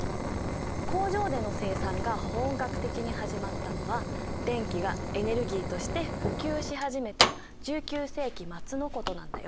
工場での生産が本格的に始まったのは電気がエネルギーとして普及し始めた１９世紀末のことなんだよ。